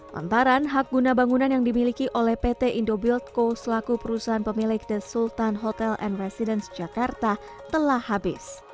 lantaran hak guna bangunan yang dimiliki oleh pt indobuildco selaku perusahaan pemilik the sultan hotel and residence jakarta telah habis